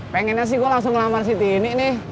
pengennya sih gue langsung ngelamar si tini nih